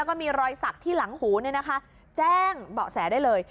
แล้วก็มีรอยศักดิ์ที่หลังหูเนี่ยนะคะแจ้งเบาะแสได้เลย